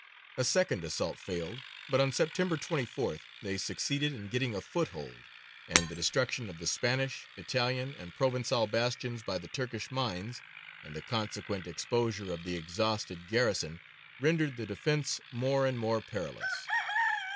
A second assault failed, but on September 24th they succeeded in getting a foothold, and the destruction of the Spanish, Italian, and Provençal bastions by the Turkish mines and the consequent exposure of the exhausted garrison rendered the defence more and more perilous.